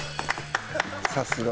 さすが。